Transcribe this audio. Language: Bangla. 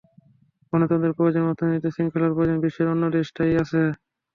গণতন্ত্রের প্রয়োজনে এবং অর্থনীতিতে শৃঙ্খলার প্রয়োজনে বিশ্বের অন্য দেশে তা-ই আছে।